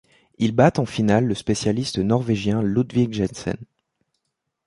Il bat en finale le spécialiste norvégien Ludvig Jensen.